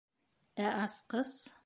Ә асҡыс...